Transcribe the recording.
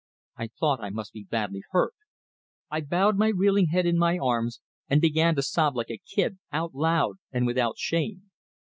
I thought I must be badly hurt; I bowed my reeling head in my arms, and began to sob like a kid, out loud, and without shame.